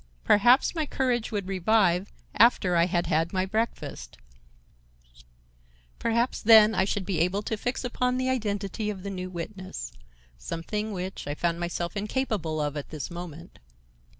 Perhaps my courage would revive after I had had my breakfast; perhaps then I should be able to fix upon the identity of the new witness,—something which I found myself incapable of at this moment.